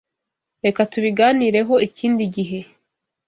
Reka tubiganireho ikindi gihe.